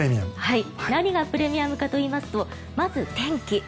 何がプレミアムかといいますとまずは天気。